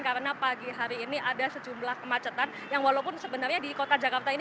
karena pagi hari ini ada sejumlah kemacetan yang walaupun sebenarnya di kota jakarta ini